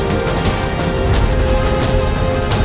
kamu harus menjauhi wisnu